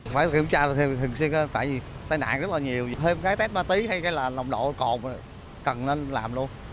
phải kiểm tra thì thường xuyên tại vì tai nạn rất là nhiều thêm cái test ma túy hay cái là nồng độ cồn cần nên làm luôn